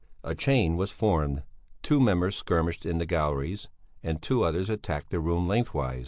A chain was formed: two members skirmished in the galleries, and two others attacked the room lengthways.